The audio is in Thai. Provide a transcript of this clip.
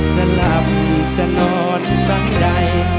จะหลับจะนอนฝั่งใด